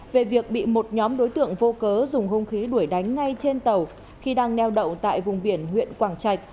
về việc bị một nhóm đối tượng vô cớ dùng hung khí đuổi đánh ngay trên tàu khi đang neo đậu tại vùng biển huyện quảng trạch